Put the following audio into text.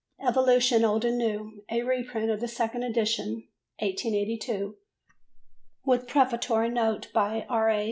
Evolution Old and New, a reprint of the second edition (1882) with prefatory note by R. A.